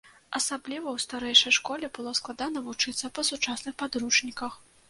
Асабліва ў старэйшай школе было складана вучыцца па сучасных падручніках.